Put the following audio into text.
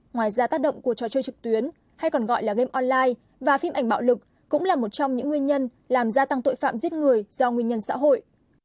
ngoài ra tác động của trò chơi trực tuyến hay còn gọi là game online và phim ảnh bạo lực cũng là một trong những nguyên nhân làm gia tăng tội phạm giết người do nguyên nhân xã hội